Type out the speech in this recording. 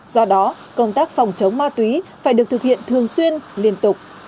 do đó công tác phòng chống ma túy phải được thực hiện thường xuyên liên tục